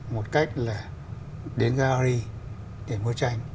một cách là đến gallery để mua tranh